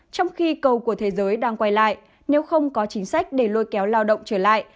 trong khi cầu của thế giới đang quay lại nếu không có chính sách để lôi kéo lao động trở lại